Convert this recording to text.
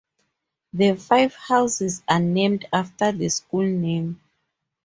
The five houses are named after the school name.